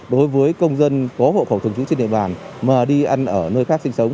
đối với công dân có hộ khẩu thường trú trên địa bàn mà đi ăn ở nơi khác sinh sống